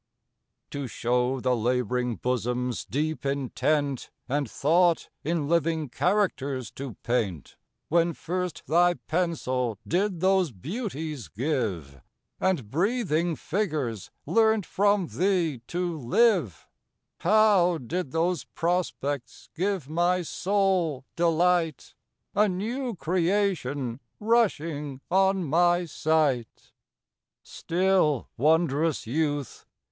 TO show the lab'ring bosom's deep intent, And thought in living characters to paint, When first thy pencil did those beauties give, And breathing figures learnt from thee to live, How did those prospects give my soul delight, A new creation rushing on my sight? Still, wond'rous youth!